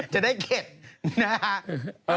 จะได้เข็ดนะฮะ